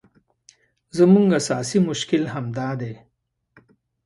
زموږ اساسي مشکل همدا دی.